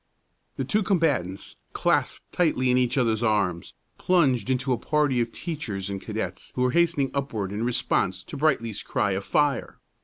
The two combatants, clasped tightly in each other's arms, plunged into a party of teachers and cadets who were hastening upward in response to Brightly's cry of "Fire!"